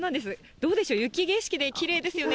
どうでしょう、雪景色できれいですよね。